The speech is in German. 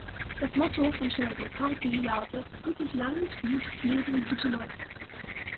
Das Motto von Shelby County lautet „Gutes Land, gutes Leben, gute Leute“.